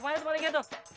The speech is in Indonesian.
ke mana tuh malingnya tuh